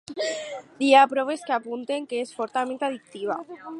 Hi ha proves que apunten que és fortament addictiva.